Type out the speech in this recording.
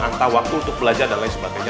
angka waktu untuk belajar dan lain sebagainya